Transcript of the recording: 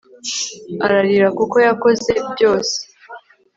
ararira kuko yakoze byose